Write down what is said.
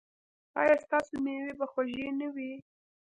ایا ستاسو میوې به خوږې نه وي؟